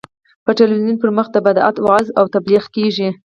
په تلویزیون پر مخ د بدعت وعظ او تبلیغ کېږي.